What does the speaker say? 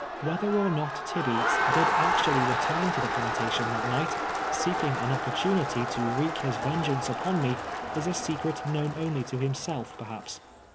AVhether or Tiot Tibe ats did actually return to the jdantation that night, seeking an o])])ortunity to wreak his vengeance u})on me, is a secret known only to himself, perhaps.